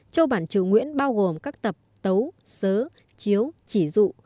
châu bản triều nguyễn bao gồm các tập tấu sớ chiếu chỉ dụ